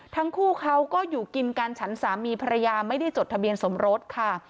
ทั้งคู่เขาก็อยู่กินกันฉันสามีภรรยาไม่ได้จดทะเบียนสมรสค่ะ